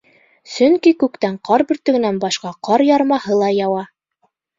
— Сөнки күктән ҡар бөртөгөнән башҡа, ҡар ярмаһы ла яуа.